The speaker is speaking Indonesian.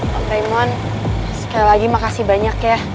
pak preman sekali lagi makasih banyak ya